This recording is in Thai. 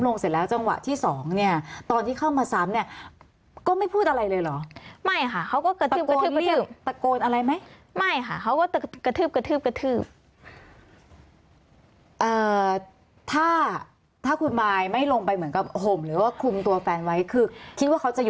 ทีนี้จังหวะที่๒นะคะพอล้มลงเสร็จแล้วจังหวะที่๒เนี่ย